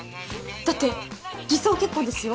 だって偽装結婚ですよ？